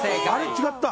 違った。